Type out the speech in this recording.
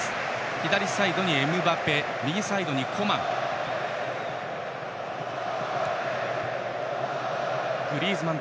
左サイドにエムバペ右サイドにコマン。